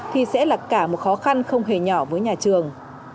thì sẽ là cả một khó khăn không hề nhỏ với nhà trường